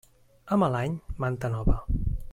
A mal any, manta nova.